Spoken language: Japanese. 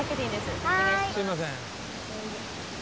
すいません。